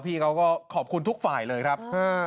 พี่เขาก็ขอบคุณทุกฝ่ายเลยครับ